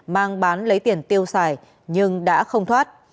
mang bán lấy tiền tiêu xài nhưng đã không thoát